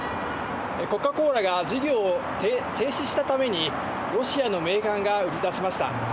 コカ・コーラが事業を停止したために、ロシアのメーカーが売り出しました。